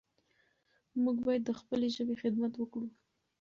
موږ باید د خپلې ژبې خدمت وکړو.